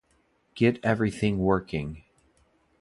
Get everything working